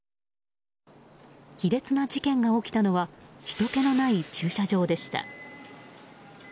卑劣な事件が起きたのはひとけのない駐車場でした。